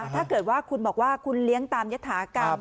ถ้าเกิดว่าคุณบอกว่าคุณเลี้ยงตามยฐากรรม